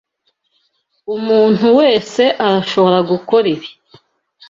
Umuntu wese arashobora gukora ibi.